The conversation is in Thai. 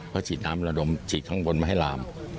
ก็ฉีดน้ำละนดมฉีดข้างบนมาให้ลาม